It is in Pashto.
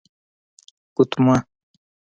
💍 ګوتمه